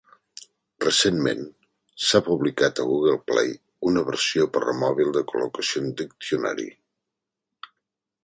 Recentment, s'ha publicar a Google Play una versió per a mòbil del Collocation Dictionary.